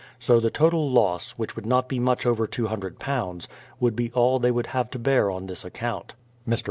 So the total loss, which would not be much above £200, would be all they would have to bear on this account. Mr.